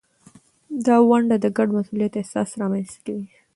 دا ونډه د ګډ مسؤلیت احساس رامینځته کوي.